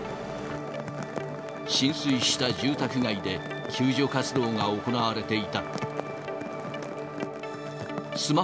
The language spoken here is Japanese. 浸水した住宅街で救助活動が行われていた。